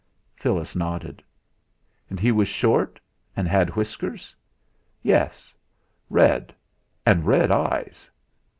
Phyllis nodded. "And he was short, and had whiskers?" "Yes; red, and red eyes."